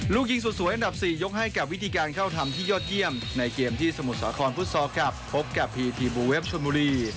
ลูกยิงสุดสวยอันดับ๔ยกให้กับวิธีการเข้าทำที่ยอดเยี่ยมในเกมที่สมุทรสาครฟุตซอลกลับพบกับพีทีบูเวฟชนบุรี